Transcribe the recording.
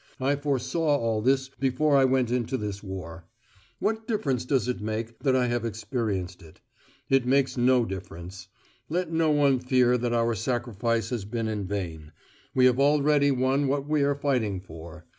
I foresaw all this before I went into this war. What difference does it make that I have experienced it? It makes no difference. Let no one fear that our sacrifice has been in vain. We have already won what we are fighting for.